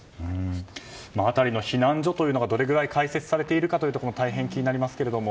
この辺りの避難所がどれくらい開設されているかも大変気になりますけれども。